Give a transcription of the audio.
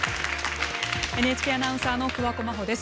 ＮＨＫアナウンサーの桑子真帆です。